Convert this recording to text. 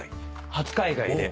初海外で。